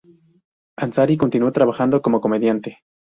Ansari continuó trabajando como comediante.